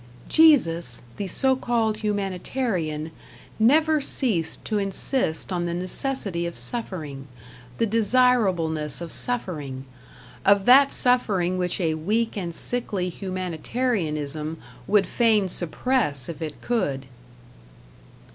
"Jesus, the so called humanitarian, never ceased to insist on the necessity of suffering, the desirableness of suffering of that suffering which a weak and sickly humanitarianism would fain suppress if it could."